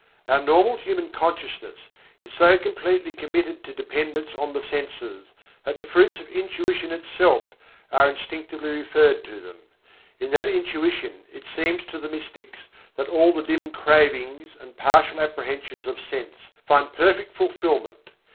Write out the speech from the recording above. Our normal human consciousness is so completely committed to dependence on the senses, that the fruits of intuition itself are instinctively referred to them. In that intuition it seems to the mystics that all the dim cravings and partial apprehensions of sense find perfect fulfilment.